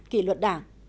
kỷ luật đảng